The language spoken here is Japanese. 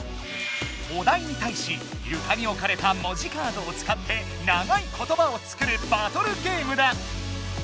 お題にたいしゆかにおかれた「もじカード」を使って長いことばを作るバトルゲームだ。